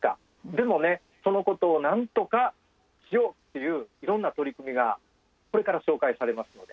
でもそのことをなんとかしようっていういろんな取り組みがこれから紹介されますので。